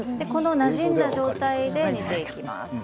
なじんだ状態で煮ていきます。